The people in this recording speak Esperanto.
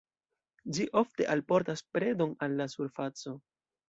Ĝi ofte alportas predon al la surfaco.